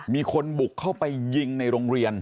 มีคนบุกเข้าไปยิงในโรงเรียน